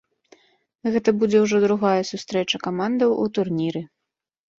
Гэта будзе ўжо другая сустрэча камандаў у турніры.